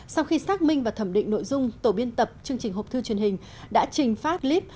sau khi xác minh và thẩm định nội dung tổ biên tập chương trình hộp thư truyền hình đã trình phát clip